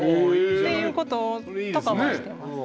っていうこととかもしてます。